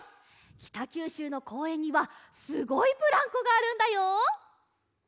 きたきゅうしゅうのこうえんにはすごいブランコがあるんだよ！